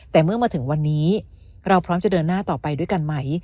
แต่เมื่อมาถึงวันนี้เราพร้อมจะเดินหน้าต่อไปด้วยกันไหม